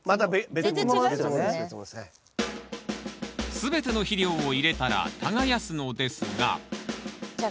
全ての肥料を入れたら耕すのですがじゃあ